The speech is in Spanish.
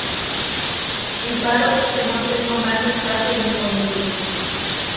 Y paro porque no tengo más espacio disponible.